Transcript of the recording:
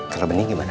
kalau bening gimana